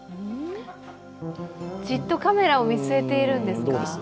じっとカメラを見据えているんですか？